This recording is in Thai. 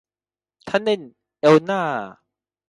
ธานินทร์ เอลน่า